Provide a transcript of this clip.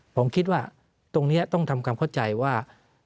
ผมคิดว่าตรงนี้ต้องทำความเข้าใจว่า